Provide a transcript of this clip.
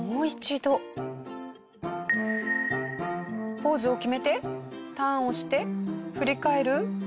ポーズを決めてターンをして振り返る直前に。